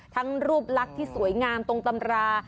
ทั้งรูปลักษณ์ที่สวยงามตรงตำรา